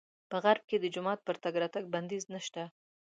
په غرب کې د جومات پر تګ راتګ بندیز نه شته.